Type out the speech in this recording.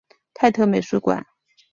泰特美术馆。